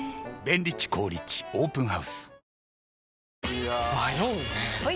いや迷うねはい！